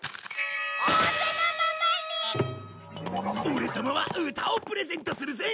オレ様は歌をプレゼントするぜ！